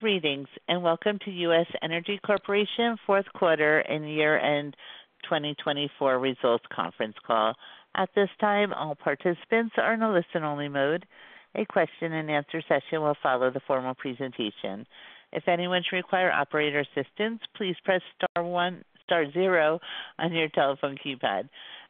Greetings and welcome to U.S. Energy Corporation Fourth Quarter and Year-End 2024 Results Conference Call. At this time, all participants are in a listen-only mode. A question-and-answer session will follow the formal presentation. If anyone should require operator assistance, please press star one star zero on your telephone keypad.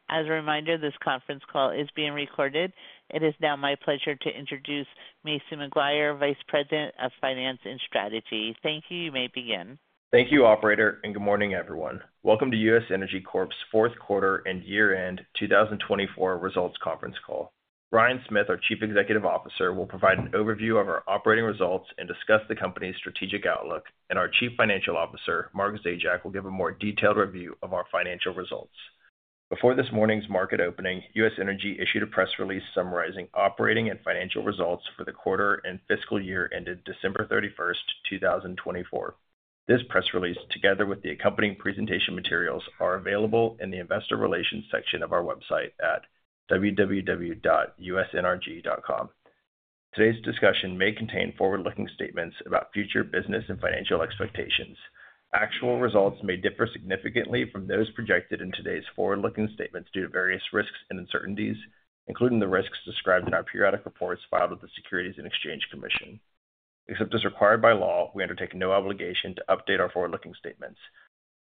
As a reminder, this conference call is being recorded. It is now my pleasure to introduce Mason McGuire, Vice President of Finance and Strategy. Thank you. You may begin. Thank you, Operator, and good morning, everyone. Welcome to U.S. Energy's Fourth Quarter and Year-End 2024 Results Conference Call. Ryan Smith, our Chief Executive Officer, will provide an overview of our operating results and discuss the company's strategic outlook, and our Chief Financial Officer, Mark Zajac, will give a more detailed review of our financial results. Before this morning's market opening, U.S. Energy issued a press release summarizing operating and financial results for the quarter and fiscal year ended December 31st, 2024. This press release, together with the accompanying presentation materials, is available in the Investor Relations section of our website at www.usnrg.com. Today's discussion may contain forward-looking statements about future business and financial expectations. Actual results may differ significantly from those projected in today's forward-looking statements due to various risks and uncertainties, including the risks described in our periodic reports filed with the Securities and Exchange Commission. Except as required by law, we undertake no obligation to update our forward-looking statements.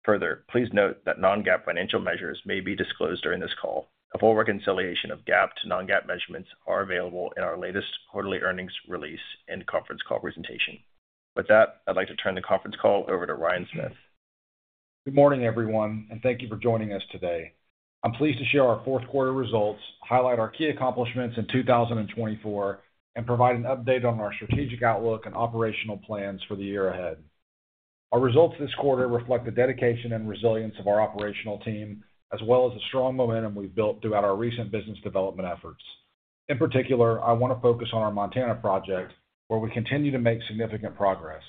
Further, please note that non-GAAP financial measures may be disclosed during this call. A full reconciliation of GAAP to non-GAAP measurements is available in our latest quarterly earnings release and conference call presentation. With that, I'd like to turn the conference call over to Ryan Smith. Good morning, everyone, and thank you for joining us today. I'm pleased to share our fourth quarter results, highlight our key accomplishments in 2024, and provide an update on our strategic outlook and operational plans for the year ahead. Our results this quarter reflect the dedication and resilience of our operational team, as well as the strong momentum we've built throughout our recent business development efforts. In particular, I want to focus on our Montana project, where we continue to make significant progress.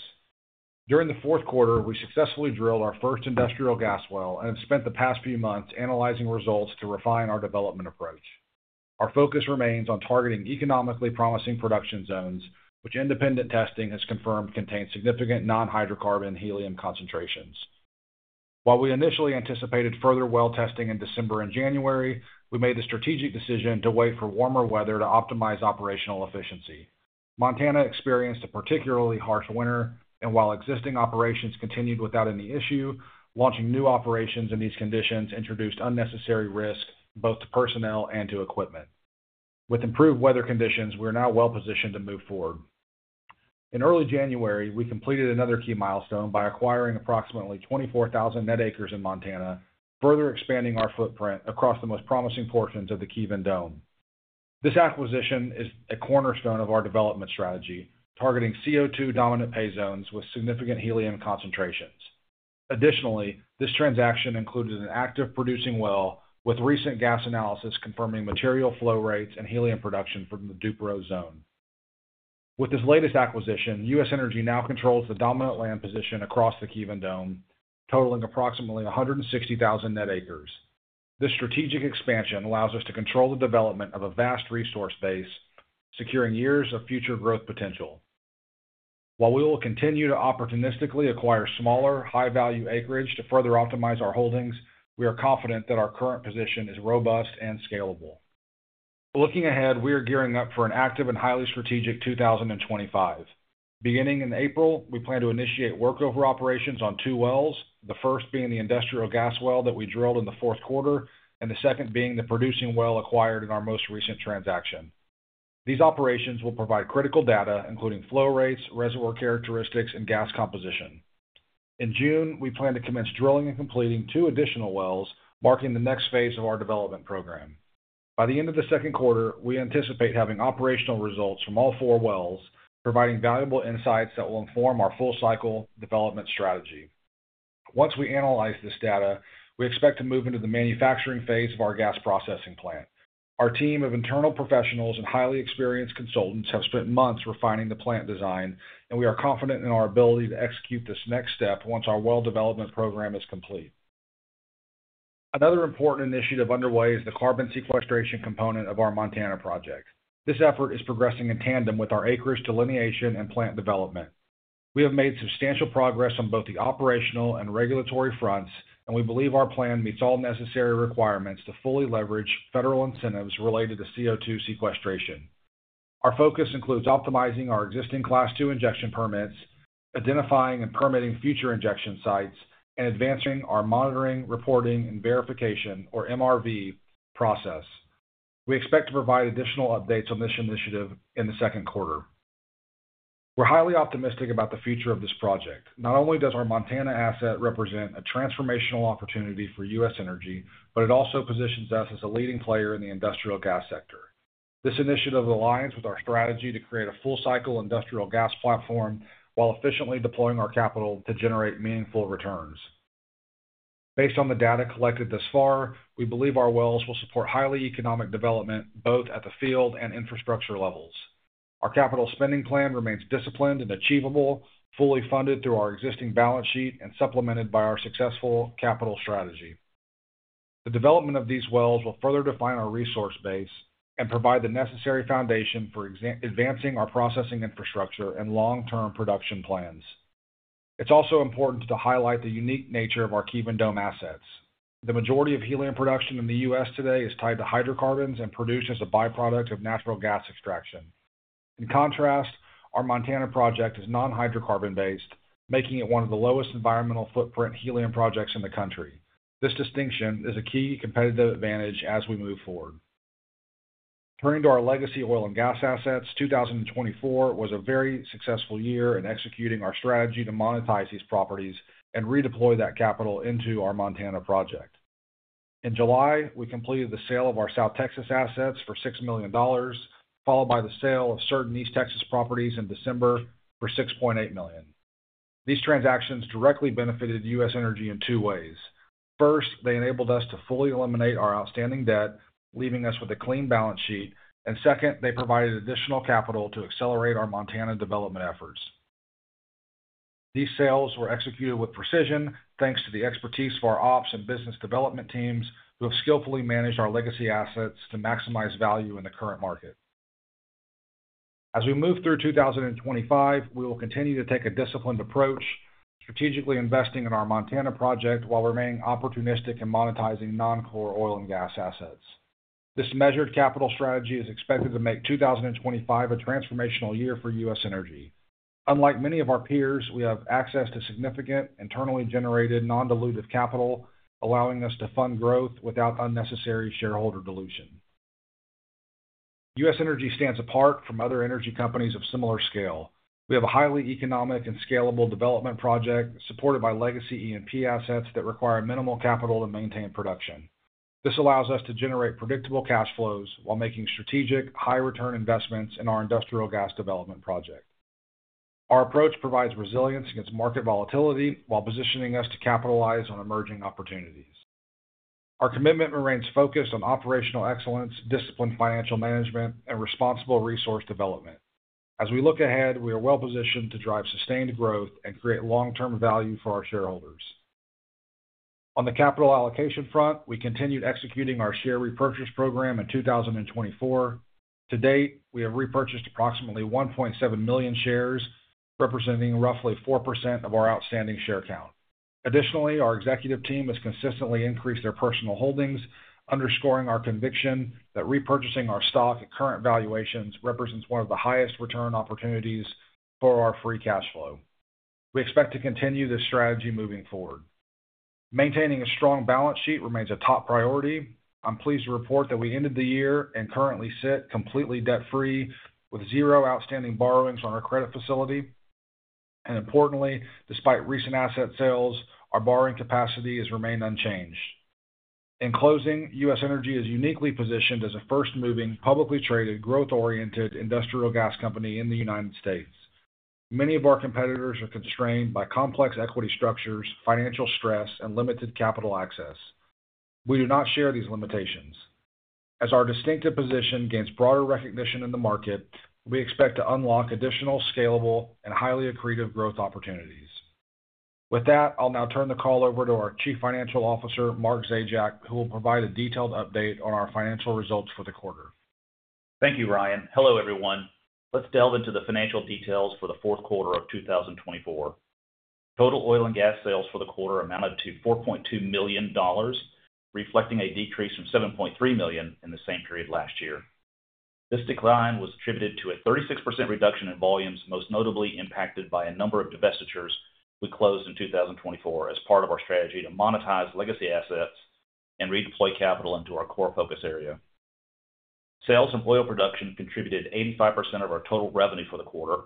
During the fourth quarter, we successfully drilled our first industrial gas well and have spent the past few months analyzing results to refine our development approach. Our focus remains on targeting economically promising production zones, which independent testing has confirmed contain significant non-hydrocarbon helium concentrations. While we initially anticipated further well testing in December and January, we made the strategic decision to wait for warmer weather to optimize operational efficiency. Montana experienced a particularly harsh winter, and while existing operations continued without any issue, launching new operations in these conditions introduced unnecessary risk both to personnel and to equipment. With improved weather conditions, we are now well positioned to move forward. In early January, we completed another key milestone by acquiring approximately 24,000 net acres in Montana, further expanding our footprint across the most promising portions of the Kevin Dome. This acquisition is a cornerstone of our development strategy, targeting CO2 dominant pay zones with significant helium concentrations. Additionally, this transaction included an active producing well with recent gas analysis confirming material flow rates and helium production from the Duperow zone. With this latest acquisition, U.S. Energy now controls the dominant land position across the Kevin Dome, totaling approximately 160,000 net acres. This strategic expansion allows us to control the development of a vast resource base, securing years of future growth potential. While we will continue to opportunistically acquire smaller, high-value acreage to further optimize our holdings, we are confident that our current position is robust and scalable. Looking ahead, we are gearing up for an active and highly strategic 2025. Beginning in April, we plan to initiate workover operations on two wells, the first being the industrial gas well that we drilled in the fourth quarter and the second being the producing well acquired in our most recent transaction. These operations will provide critical data, including flow rates, reservoir characteristics, and gas composition. In June, we plan to commence drilling and completing two additional wells, marking the next phase of our development program. By the end of the second quarter, we anticipate having operational results from all four wells, providing valuable insights that will inform our full-cycle development strategy. Once we analyze this data, we expect to move into the manufacturing phase of our gas processing plant. Our team of internal professionals and highly experienced consultants have spent months refining the plant design, and we are confident in our ability to execute this next step once our well development program is complete. Another important initiative underway is the carbon sequestration component of our Montana project. This effort is progressing in tandem with our acreage delineation and plant development. We have made substantial progress on both the operational and regulatory fronts, and we believe our plan meets all necessary requirements to fully leverage federal incentives related to CO2 sequestration. Our focus includes optimizing our existing Class II injection permits, identifying and permitting future injection sites, and advancing our monitoring, reporting, and verification, or MRV, process. We expect to provide additional updates on this initiative in the second quarter. We're highly optimistic about the future of this project. Not only does our Montana asset represent a transformational opportunity for U.S. Energy, but it also positions us as a leading player in the industrial gas sector. This initiative aligns with our strategy to create a full-cycle industrial gas platform while efficiently deploying our capital to generate meaningful returns. Based on the data collected thus far, we believe our wells will support highly economic development both at the field and infrastructure levels. Our capital spending plan remains disciplined and achievable, fully funded through our existing balance sheet and supplemented by our successful capital strategy. The development of these wells will further define our resource base and provide the necessary foundation for advancing our processing infrastructure and long-term production plans. It's also important to highlight the unique nature of our Kevin Dome assets. The majority of helium production in the U.S. today is tied to hydrocarbons and produced as a byproduct of natural gas extraction. In contrast, our Montana project is non-hydrocarbon-based, making it one of the lowest environmental footprint helium projects in the country. This distinction is a key competitive advantage as we move forward. Turning to our legacy oil and gas assets, 2024 was a very successful year in executing our strategy to monetize these properties and redeploy that capital into our Montana project. In July, we completed the sale of our South Texas assets for $6 million, followed by the sale of certain East Texas properties in December for $6.8 million. These transactions directly benefited U.S. Energy in two ways. First, they enabled us to fully eliminate our outstanding debt, leaving us with a clean balance sheet, and second, they provided additional capital to accelerate our Montana development efforts. These sales were executed with precision, thanks to the expertise of our ops and business development teams, who have skillfully managed our legacy assets to maximize value in the current market. As we move through 2025, we will continue to take a disciplined approach, strategically investing in our Montana project while remaining opportunistic in monetizing non-core oil and gas assets. This measured capital strategy is expected to make 2025 a transformational year for U.S. Energy. Unlike many of our peers, we have access to significant internally generated non-dilutive capital, allowing us to fund growth without unnecessary shareholder dilution. U.S. Energy stands apart from other energy companies of similar scale. We have a highly economic and scalable development project supported by legacy E&P assets that require minimal capital to maintain production. This allows us to generate predictable cash flows while making strategic, high-return investments in our industrial gas development project. Our approach provides resilience against market volatility while positioning us to capitalize on emerging opportunities. Our commitment remains focused on operational excellence, disciplined financial management, and responsible resource development. As we look ahead, we are well positioned to drive sustained growth and create long-term value for our shareholders. On the capital allocation front, we continued executing our share repurchase program in 2024. To date, we have repurchased approximately 1.7 million shares, representing roughly 4% of our outstanding share count. Additionally, our executive team has consistently increased their personal holdings, underscoring our conviction that repurchasing our stock at current valuations represents one of the highest return opportunities for our free cash flow. We expect to continue this strategy moving forward. Maintaining a strong balance sheet remains a top priority. I am pleased to report that we ended the year and currently sit completely debt-free, with zero outstanding borrowings on our credit facility. Importantly, despite recent asset sales, our borrowing capacity has remained unchanged. In closing, U.S. Energy is uniquely positioned as a first-moving, publicly traded, growth-oriented industrial gas company in the United States. Many of our competitors are constrained by complex equity structures, financial stress, and limited capital access. We do not share these limitations. As our distinctive position gains broader recognition in the market, we expect to unlock additional scalable and highly accretive growth opportunities. With that, I'll now turn the call over to our Chief Financial Officer, Mark Zajac, who will provide a detailed update on our financial results for the quarter. Thank you, Ryan. Hello, everyone. Let's delve into the financial details for the fourth quarter of 2024. Total oil and gas sales for the quarter amounted to $4.2 million, reflecting a decrease from $7.3 million in the same period last year. This decline was attributed to a 36% reduction in volumes, most notably impacted by a number of divestitures we closed in 2024 as part of our strategy to monetize legacy assets and redeploy capital into our core focus area. Sales and oil production contributed 85% of our total revenue for the quarter,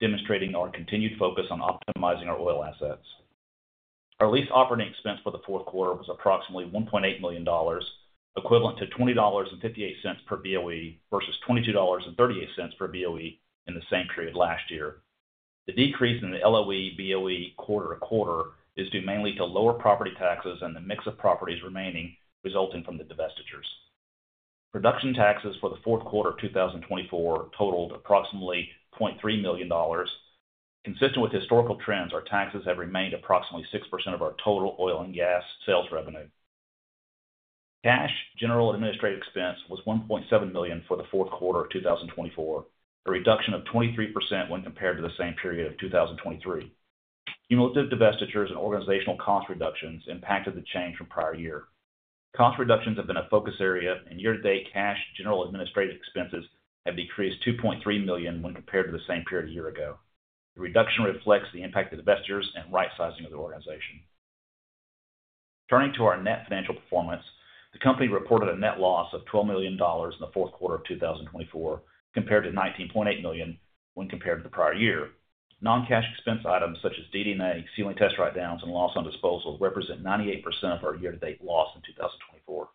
demonstrating our continued focus on optimizing our oil assets. Our lease operating expense for the fourth quarter was approximately $1.8 million, equivalent to $20.58 per BOE versus $22.38 per BOE in the same period last year. The decrease in the LOE/BOE quarter-to-quarter is due mainly to lower property taxes and the mix of properties remaining resulting from the divestitures. Production taxes for the fourth quarter of 2024 totaled approximately $0.3 million. Consistent with historical trends, our taxes have remained approximately 6% of our total oil and gas sales revenue. Cash general administrative expense was $1.7 million for the fourth quarter of 2024, a reduction of 23% when compared to the same period of 2023. Cumulative divestitures and organizational cost reductions impacted the change from prior year. Cost reductions have been a focus area, and year-to-date cash general administrative expenses have decreased $2.3 million when compared to the same period a year ago. The reduction reflects the impact of divestitures and right-sizing of the organization. Turning to our net financial performance, the company reported a net loss of $12 million in the fourth quarter of 2024, compared to $19.8 million when compared to the prior year. Non-cash expense items such as DD&A, ceiling test write-downs, and loss on disposal represent 98% of our year-to-date loss in 2024.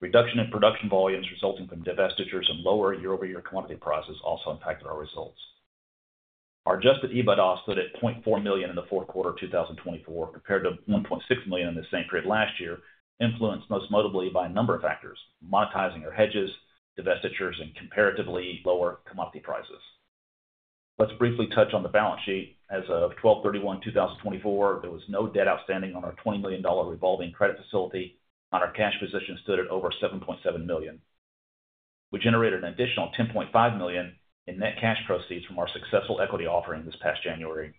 Reduction in production volumes resulting from divestitures and lower year-over-year commodity prices also impacted our results. Our adjusted EBITDA stood at $0.4 million in the fourth quarter of 2024, compared to $1.6 million in the same period last year, influenced most notably by a number of factors: monetizing our hedges, divestitures, and comparatively lower commodity prices. Let's briefly touch on the balance sheet. As of 12/31/2024, there was no debt outstanding on our $20 million revolving credit facility, and our cash position stood at over $7.7 million. We generated an additional $10.5 million in net cash proceeds from our successful equity offering this past January.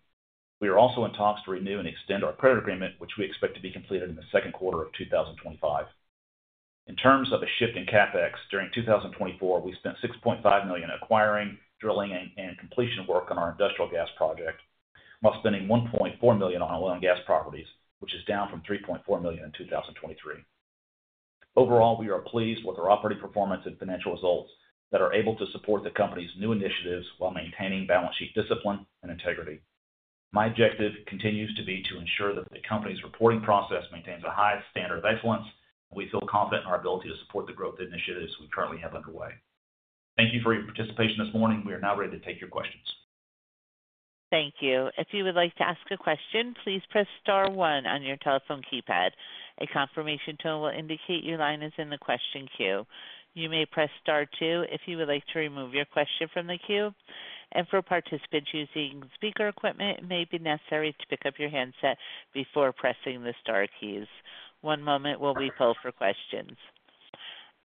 We are also in talks to renew and extend our credit agreement, which we expect to be completed in the second quarter of 2025. In terms of a shift in CapEx, during 2024, we spent $6.5 million acquiring, drilling, and completion work on our industrial gas project, while spending $1.4 million on oil and gas properties, which is down from $3.4 million in 2023. Overall, we are pleased with our operating performance and financial results that are able to support the company's new initiatives while maintaining balance sheet discipline and integrity. My objective continues to be to ensure that the company's reporting process maintains a high standard of excellence, and we feel confident in our ability to support the growth initiatives we currently have underway. Thank you for your participation this morning. We are now ready to take your questions. Thank you. If you would like to ask a question, please press Star 1 on your telephone keypad. A confirmation tone will indicate your line is in the question queue. You may press Star 2 if you would like to remove your question from the queue. For participants using speaker equipment, it may be necessary to pick up your handset before pressing the Star keys. One moment while we pull for questions.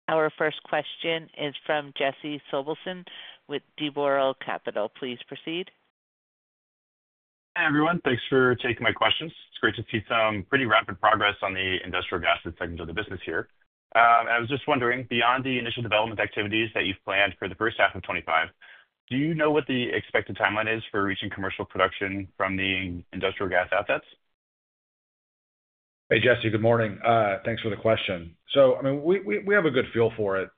Our first question is from Jesse Sobelson with D. Boral Capital. Please proceed. Hi everyone. Thanks for taking my questions. It's great to see some pretty rapid progress on the industrial gas segment of the business here. I was just wondering, beyond the initial development activities that you've planned for the first half of 2025, do you know what the expected timeline is for reaching commercial production from the industrial gas assets? Hey, Jesse, good morning. Thanks for the question. I mean, we have a good feel for it.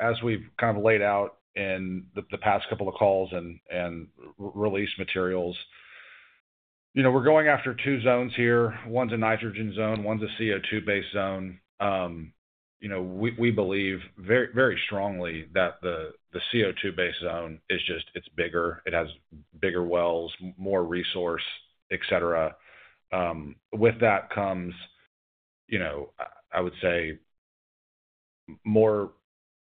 As we've kind of laid out in the past couple of calls and release materials, we're going after two zones here. One's a nitrogen zone, one's a CO2-based zone. We believe very strongly that the CO2-based zone is just, it's bigger, it has bigger wells, more resource, etc. With that comes, I would say, more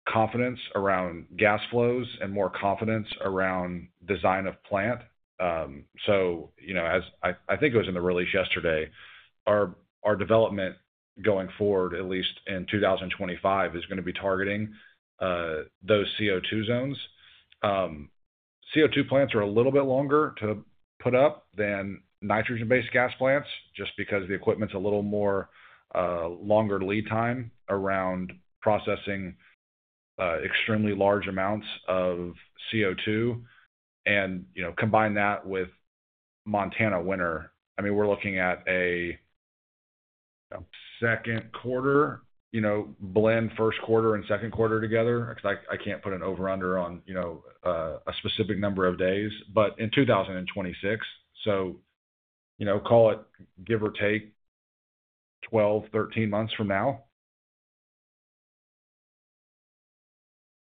confidence around gas flows and more confidence around design of plant. As I think it was in the release yesterday, our development going forward, at least in 2025, is going to be targeting those CO2 zones. CO2 plants are a little bit longer to put up than nitrogen-based gas plants, just because the equipment's a little more longer lead time around processing extremely large amounts of CO2. Combine that with Montana winter, I mean, we're looking at a second quarter, blend first quarter and second quarter together, because I can't put an over/under on a specific number of days, but in 2026. Call it, give or take, 12-13 months from now.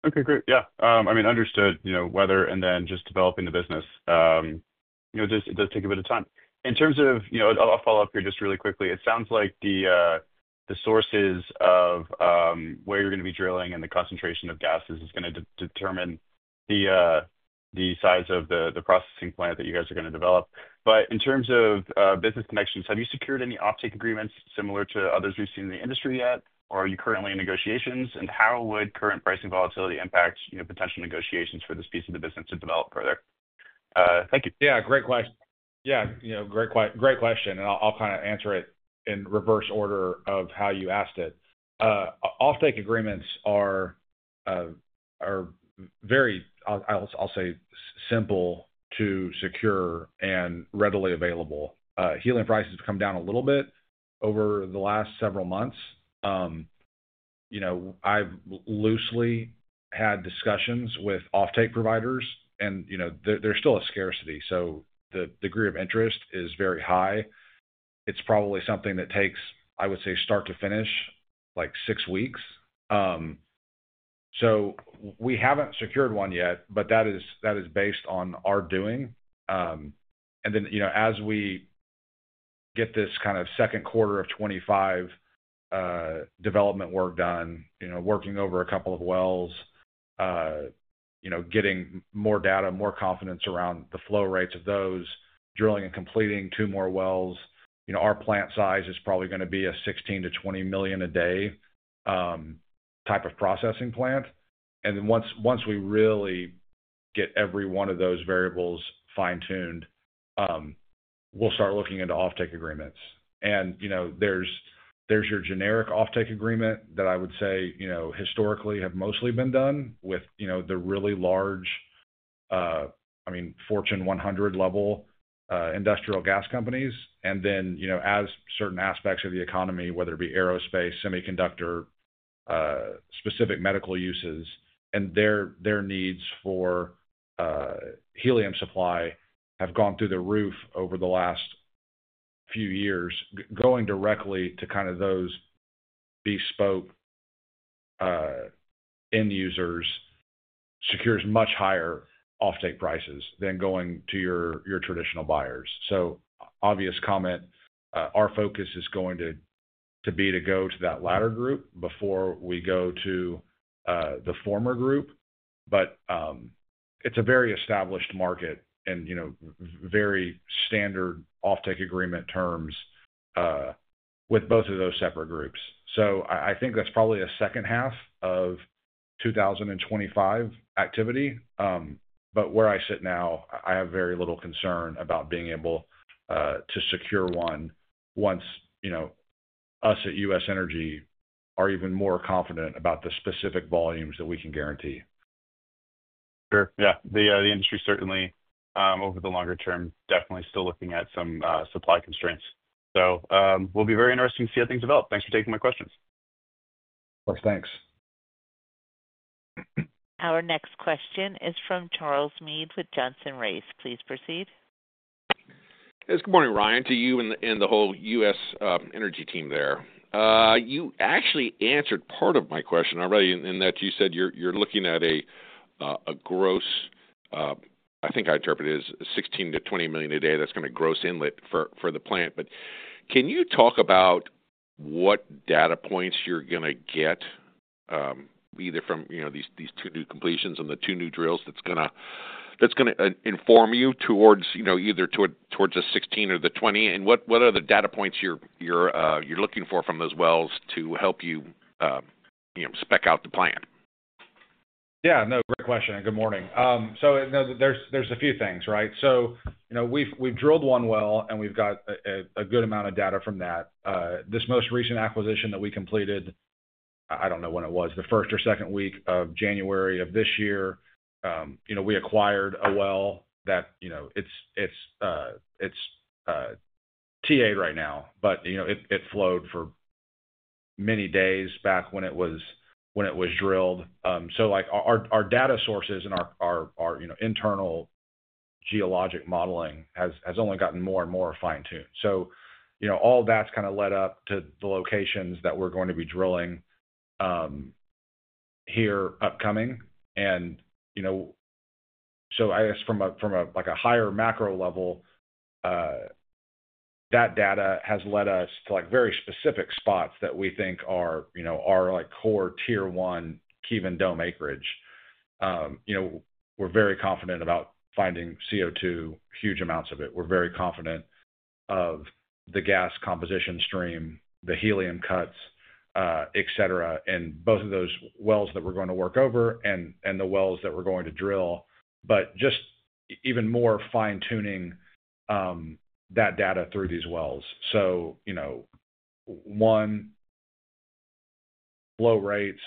Okay, great. Yeah. I mean, understood weather and then just developing the business. It does take a bit of time. In terms of, I'll follow up here just really quickly. It sounds like the sources of where you're going to be drilling and the concentration of gases is going to determine the size of the processing plant that you guys are going to develop. In terms of business connections, have you secured any offtake agreements similar to others we've seen in the industry yet, or are you currently in negotiations? How would current pricing volatility impact potential negotiations for this piece of the business to develop further? Thank you. Yeah, great question. Yeah, great question. I'll kind of answer it in reverse order of how you asked it. Offtake agreements are very, I'll say, simple to secure and readily available. Helium prices have come down a little bit over the last several months. I've loosely had discussions with offtake providers, and there's still a scarcity. The degree of interest is very high. It's probably something that takes, I would say, start to finish, like six weeks. We haven't secured one yet, but that is based on our doing. As we get this kind of second quarter of 2025 development work done, working over a couple of wells, getting more data, more confidence around the flow rates of those, drilling and completing two more wells, our plant size is probably going to be a $16 million-$20 million a day type of processing plant. Once we really get every one of those variables fine-tuned, we'll start looking into offtake agreements. There's your generic offtake agreement that I would say historically have mostly been done with the really large, I mean, Fortune 100-level industrial gas companies. As certain aspects of the economy, whether it be aerospace, semiconductor, specific medical uses, and their needs for helium supply have gone through the roof over the last few years, going directly to kind of those bespoke end users secures much higher offtake prices than going to your traditional buyers. Obvious comment, our focus is going to be to go to that latter group before we go to the former group. It is a very established market and very standard offtake agreement terms with both of those separate groups. I think that's probably a second half of 2025 activity. Where I sit now, I have very little concern about being able to secure one once us at U.S. Energy are even more confident about the specific volumes that we can guarantee. Sure. Yeah. The industry certainly, over the longer term, definitely still looking at some supply constraints. It will be very interesting to see how things develop. Thanks for taking my questions. Of course. Thanks. Our next question is from Charles Meade with Johnson Rice. Please proceed. Yes. Good morning, Ryan, to you and the whole U.S. Energy team there. You actually answered part of my question already in that you said you're looking at a gross, I think I interpret it as $16 million-$20 million a day that's going to gross inlet for the plant. Can you talk about what data points you're going to get either from these two new completions and the two new drills that's going to inform you towards either towards the 16 or the 20? What are the data points you're looking for from those wells to help you spec out the plant? Yeah. No, great question. Good morning. There are a few things, right? We have drilled one well, and we have a good amount of data from that. This most recent acquisition that we completed, I do not know when it was, the first or second week of January of this year, we acquired a well that is TA'd right now, but it flowed for many days back when it was drilled. Our data sources and our internal geologic modeling have only gotten more and more fine-tuned. All that has led up to the locations that we are going to be drilling here upcoming. I guess from a higher macro level, that data has led us to very specific spots that we think are our core Tier 1 Kevin Dome acreage. We are very confident about finding CO2, huge amounts of it. We're very confident of the gas composition stream, the helium cuts, etc., in both of those wells that we're going to work over and the wells that we're going to drill, just even more fine-tuning that data through these wells. One, flow rates.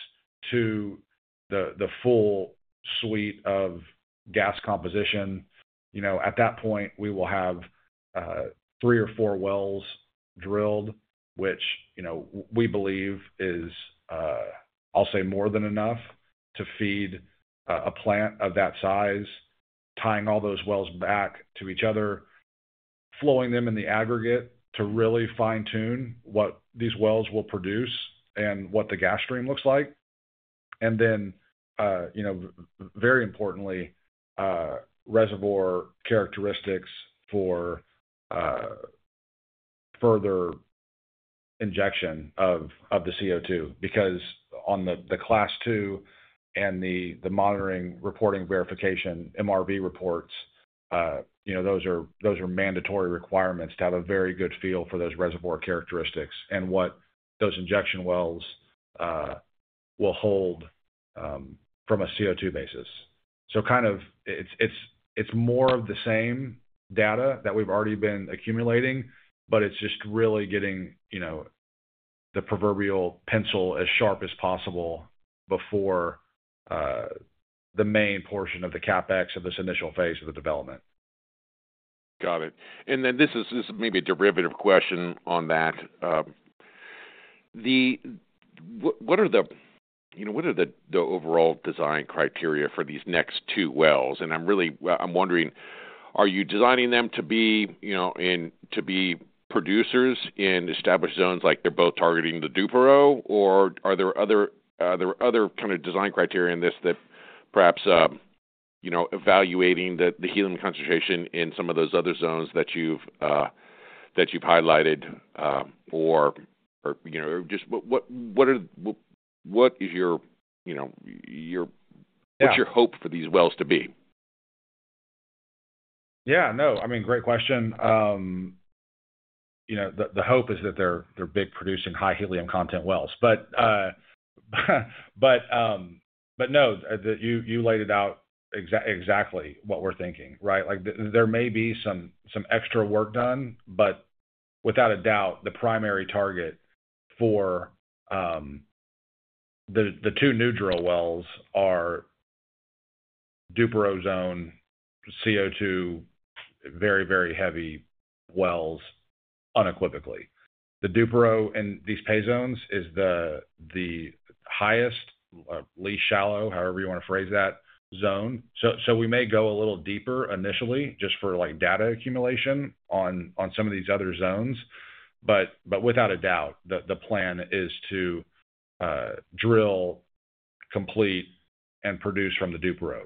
Two, the full suite of gas composition. At that point, we will have three or four wells drilled, which we believe is, I'll say, more than enough to feed a plant of that size, tying all those wells back to each other, flowing them in the aggregate to really fine-tune what these wells will produce and what the gas stream looks like. Very importantly, reservoir characteristics for further injection of the CO2, because on the Class II and the monitoring, reporting, verification, MRV reports, those are mandatory requirements to have a very good feel for those reservoir characteristics and what those injection wells will hold from a CO2 basis. It is more of the same data that we've already been accumulating, but it's just really getting the proverbial pencil as sharp as possible before the main portion of the CapEx of this initial phase of the development. Got it. This is maybe a derivative question on that. What are the overall design criteria for these next two wells? I am wondering, are you designing them to be producers in established zones like they are both targeting the Duperow, or are there other kind of design criteria in this that perhaps evaluating the helium concentration in some of those other zones that you have highlighted? Or just what is your hope for these wells to be? Yeah. No, I mean, great question. The hope is that they're big producing high helium content wells. No, you laid it out exactly what we're thinking, right? There may be some extra work done, but without a doubt, the primary target for the two new drill wells are Duperow zone, CO2, very, very heavy wells unequivocally. The Duperow and these pay zones is the highest, least shallow, however you want to phrase that, zone. We may go a little deeper initially just for data accumulation on some of these other zones. Without a doubt, the plan is to drill, complete, and produce from the Duperow.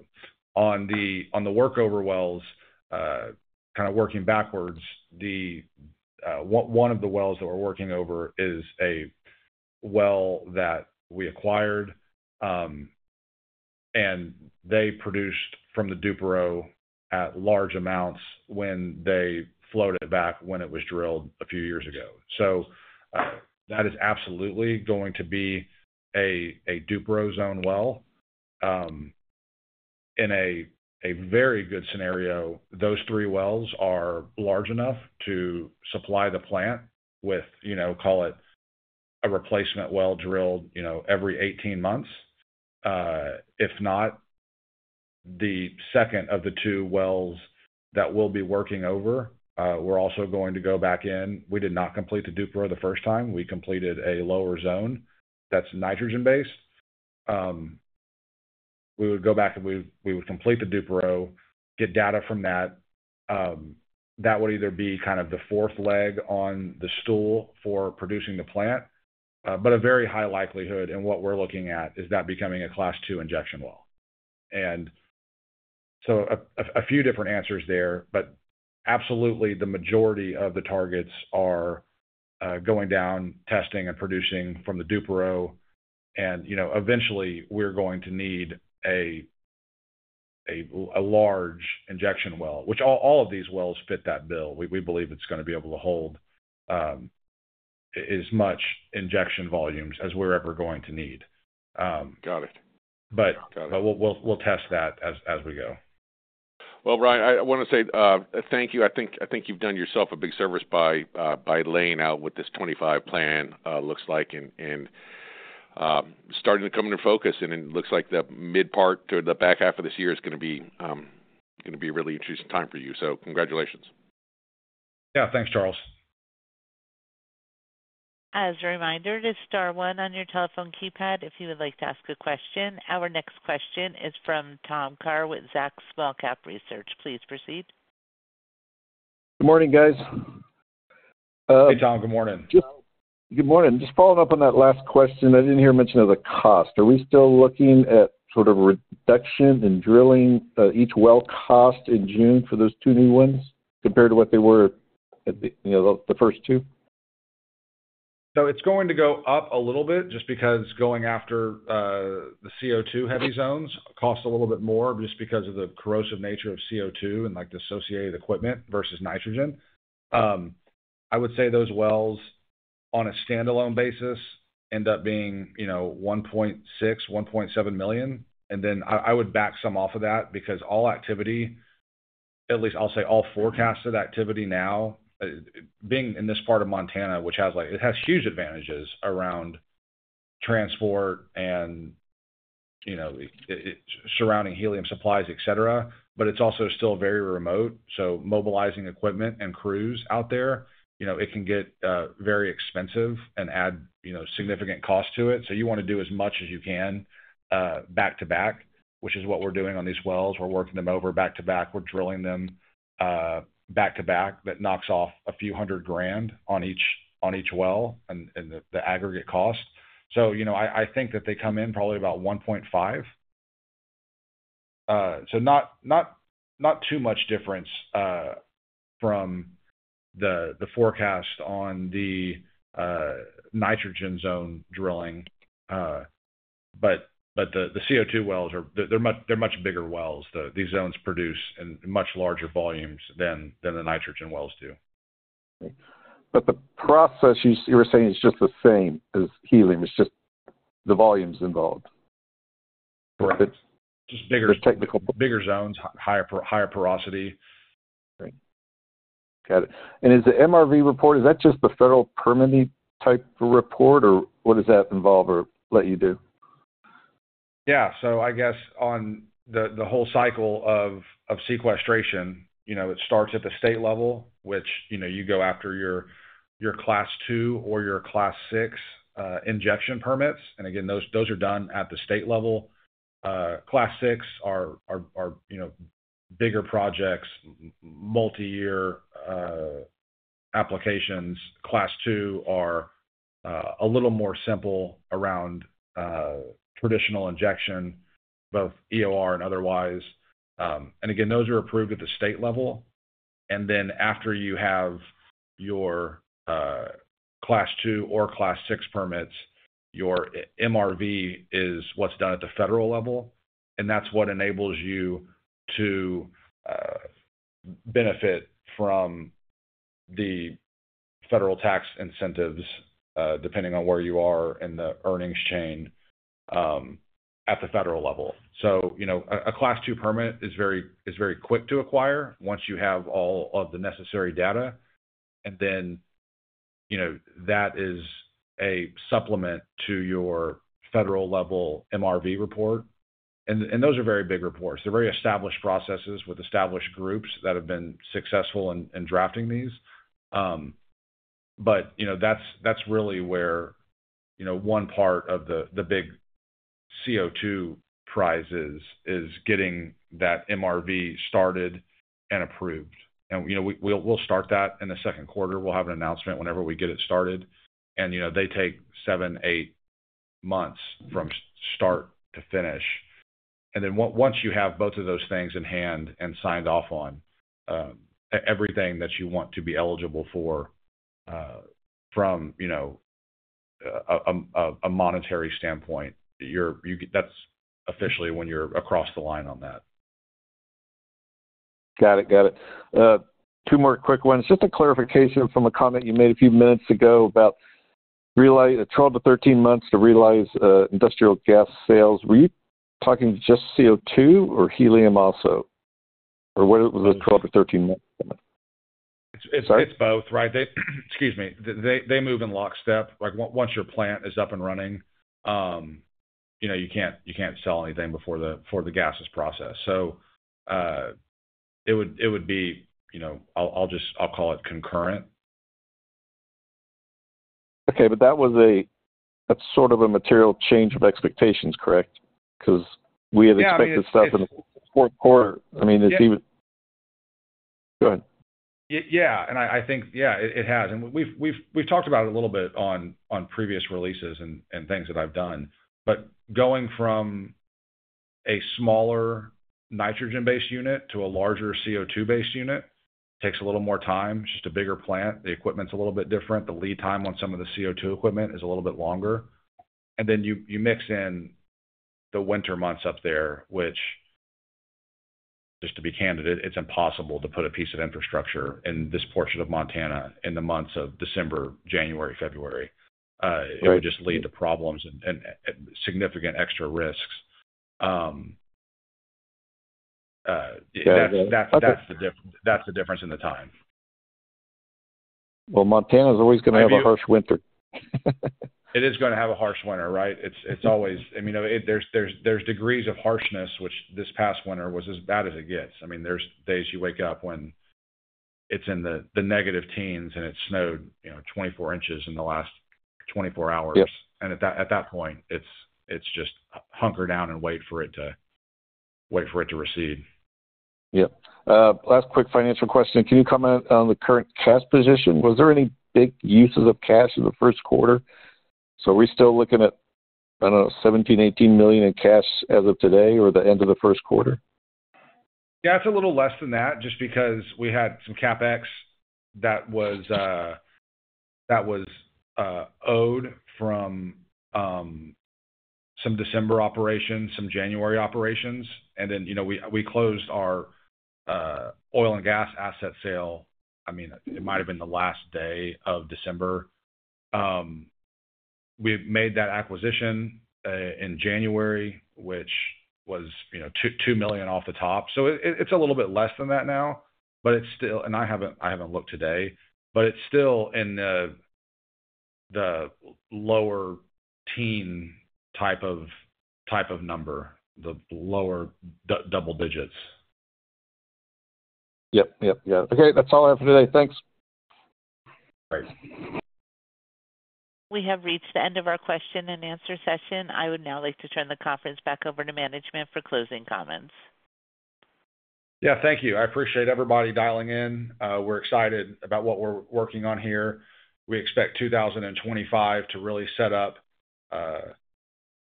On the workover wells, kind of working backwards, one of the wells that we're working over is a well that we acquired, and they produced from the Duperow at large amounts when they floated back when it was drilled a few years ago. That is absolutely going to be a Duperow zone well. In a very good scenario, those three wells are large enough to supply the plant with, call it, a replacement well drilled every 18 months. If not, the second of the two wells that we'll be working over, we're also going to go back in. We did not complete the Duperow the first time. We completed a lower zone that's nitrogen-based. We would go back and we would complete the Duperow, get data from that. That would either be kind of the fourth leg on the stool for producing the plant, but a very high likelihood in what we're looking at is that becoming a Class II injection well. A few different answers there, but absolutely the majority of the targets are going down, testing, and producing from the Duperow. Eventually, we're going to need a large injection well, which all of these wells fit that bill. We believe it's going to be able to hold as much injection volumes as we're ever going to need. Got it. Got it. We will test that as we go. Ryan, I want to say thank you. I think you've done yourself a big service by laying out what this 25 plan looks like and starting to come into focus. It looks like the mid part to the back half of this year is going to be a really interesting time for you. Congratulations. Yeah. Thanks, Charles. As a reminder, press Star 1 on your telephone keypad if you would like to ask a question. Our next question is from Tom Kerr with Zacks Small Cap Research. Please proceed. Good morning, guys. Hey, Tom. Good morning. Good morning. Just following up on that last question, I did not hear mention of the cost. Are we still looking at sort of a reduction in drilling each well cost in June for those two new ones compared to what they were at the first two? It's going to go up a little bit just because going after the CO2-heavy zones costs a little bit more just because of the corrosive nature of CO2 and the associated equipment versus nitrogen. I would say those wells on a standalone basis end up being $1.6 million-$1.7 million. I would back some off of that because all activity, at least I'll say all forecasted activity now, being in this part of Montana, which has huge advantages around transport and surrounding helium supplies, etc., but it's also still very remote. Mobilizing equipment and crews out there can get very expensive and add significant cost to it. You want to do as much as you can back to back, which is what we're doing on these wells. We're working them over back to back. We're drilling them back to back. That knocks off a few hundred grand on each well and the aggregate cost. I think that they come in probably about $1.5 million. Not too much difference from the forecast on the nitrogen zone drilling. The CO2 wells, they're much bigger wells. These zones produce in much larger volumes than the nitrogen wells do. The process, you were saying, is just the same as helium. It's just the volumes involved. Correct. Just bigger zones, higher porosity. Right. Got it. Is the MRV report, is that just the federal permitting type report, or what does that involve or let you do? Yeah. I guess on the whole cycle of sequestration, it starts at the state level, which you go after your Class II or your Class VI injection permits. Those are done at the state level. Class VI are bigger projects, multi-year applications. Class II are a little more simple around traditional injection, both EOR and otherwise. Those are approved at the state level. After you have your Class II or Class VI permits, your MRV is what's done at the federal level. That's what enables you to benefit from the federal tax incentives depending on where you are in the earnings chain at the federal level. A Class II permit is very quick to acquire once you have all of the necessary data. That is a supplement to your federal level MRV report. Those are very big reports. They're very established processes with established groups that have been successful in drafting these. That is really where one part of the big CO2 prize is getting that MRV started and approved. We'll start that in the second quarter. We'll have an announcement whenever we get it started. They take seven to eight months from start to finish. Once you have both of those things in hand and signed off on everything that you want to be eligible for from a monetary standpoint, that is officially when you're across the line on that. Got it. Got it. Two more quick ones. Just a clarification from a comment you made a few minutes ago about 12-13 months to realize industrial gas sales. Were you talking just CO2 or helium also? Or what was the 12-13 months? It's both, right? Excuse me. They move in lockstep. Once your plant is up and running, you can't sell anything before the gas is processed. So it would be, I'll call it concurrent. Okay. That was a sort of a material change of expectations, correct? Because we had expected stuff in the fourth quarter. I mean, it's even. Yeah. Go ahead. Yeah. I think, yeah, it has. We have talked about it a little bit on previous releases and things that I have done. Going from a smaller nitrogen-based unit to a larger CO2-based unit takes a little more time. It is just a bigger plant. The equipment is a little bit different. The lead time on some of the CO2 equipment is a little bit longer. You mix in the winter months up there, which, just to be candid, it is impossible to put a piece of infrastructure in this portion of Montana in the months of December, January, February. It would just lead to problems and significant extra risks. That is the difference in the time. Montana's always going to have a harsh winter. It is going to have a harsh winter, right? It's always, I mean, there's degrees of harshness, which this past winter was as bad as it gets. I mean, there's days you wake up when it's in the negative teens and it snowed 24 inches in the last 24 hours. At that point, it's just hunker down and wait for it to recede. Yep. Last quick financial question. Can you comment on the current cash position? Was there any big uses of cash in the first quarter? Are we still looking at, I don't know, $17 million-$18 million in cash as of today or the end of the first quarter? Yeah. It's a little less than that just because we had some CapEx that was owed from some December operations, some January operations. I mean, we closed our oil and gas asset sale. It might have been the last day of December. We made that acquisition in January, which was $2 million off the top. It's a little bit less than that now. I haven't looked today, but it's still in the lower teen type of number, the lower double digits. Yep. Yep. Yeah. Okay. That's all I have for today. Thanks. Great. We have reached the end of our question and answer session. I would now like to turn the conference back over to management for closing comments. Yeah. Thank you. I appreciate everybody dialing in. We're excited about what we're working on here. We expect 2025 to really set up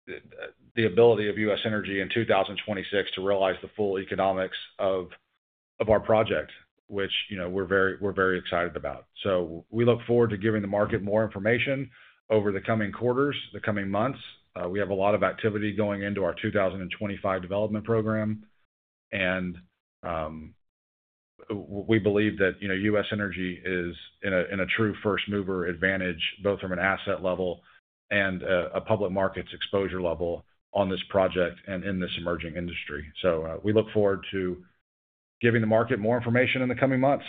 the ability of U.S. Energy in 2026 to realize the full economics of our project, which we're very excited about. We look forward to giving the market more information over the coming quarters, the coming months. We have a lot of activity going into our 2025 development program. We believe that U.S. Energy is in a true first-mover advantage, both from an asset level and a public markets exposure level on this project and in this emerging industry. We look forward to giving the market more information in the coming months.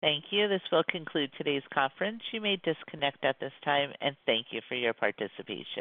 Thank you. This will conclude today's conference. You may disconnect at this time. Thank you for your participation.